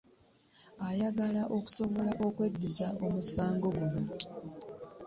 Ayagala okusobola okweddiza omusango guno